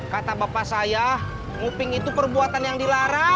kata bapak saya kuping itu perbuatan yang dilarang